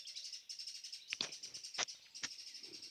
其中一个展出项目为由孵蛋器组成的幼鸡孵化器。